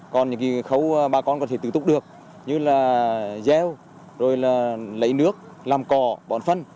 còn những khấu bà con có thể tự túc được như là gieo rồi là lấy nước làm cỏ bọn phân